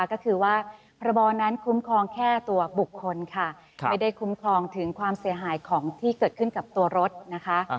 ก็คือว่าพระบอนั้นคุ้มครองแค่ตัวบุคคลค่ะไม่ได้คุ้มครองถึงความเสียหายของที่เกิดขึ้นกับตัวรถนะคะ